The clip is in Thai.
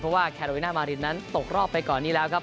เพราะว่าแคโรวิน่ามารินนั้นตกรอบไปก่อนนี้แล้วครับ